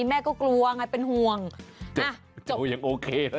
แม่ก็กลัวไงเป็นห่วงจุ้ยยังโอเคนะ